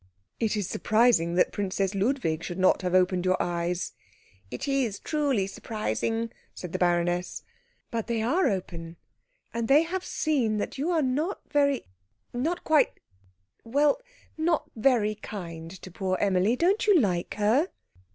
"It is surprising that Princess Ludwig should not have opened your eyes." "It is truly surprising," said the baroness. "But they are open. And they have seen that you are not very not quite well, not very kind to poor Emilie. Don't you like her?"